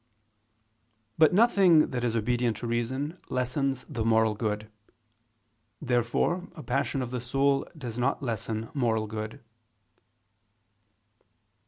But nothing that is obedient to reason lessens the moral good. Therefore a passion of the soul does not lessen moral good.